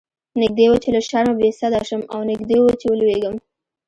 نږدې و چې له شرمه بې سده شم او نږدې و چې ولويږم.